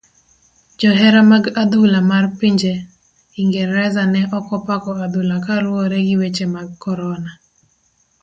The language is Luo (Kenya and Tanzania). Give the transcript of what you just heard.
Johera mag adhula mar pinje ingereza ne okopako adhula kaluwore gi weche mag korona.